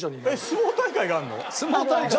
相撲大会がある。